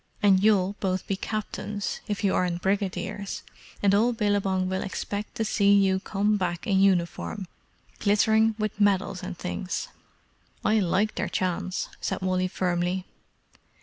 And you'll both be captains, if you aren't brigadiers, and all Billabong will expect to see you come back in uniform glittering with medals and things." "I like their chance!" said Wally firmly.